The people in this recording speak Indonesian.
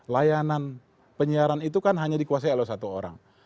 layanan penyiaran itu kan hanya dikuasai oleh satu orang